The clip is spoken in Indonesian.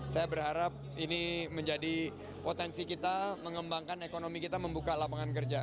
saya berharap ini menjadi potensi kita mengembangkan ekonomi kita membuka lapangan kerja